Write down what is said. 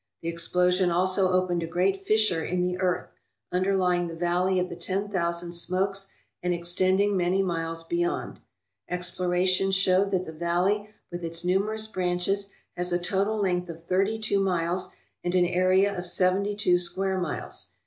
The ex plosion also opened a great fissure in the earth, underlying the Valley of the Ten Thousand Smokes and extending many miles beyond. Explorations showed that the valley with its numerous branches has a total length of thirty two miles and an area of seventy two square miles.